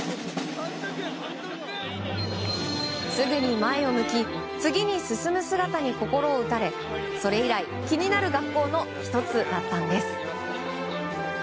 すぐに前を向き次に進む姿に心打たれそれ以来、気になる学校の１つだったんです。